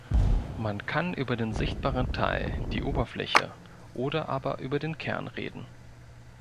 Man kann über den sichtbaren Teil, die Oberfläche, oder aber über den Kern reden.